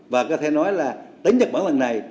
và có thể nói là tính nhật bản là người